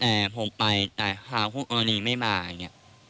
แต่ผมไปแต่ทางคู่กรณีไม่มาอย่างนี้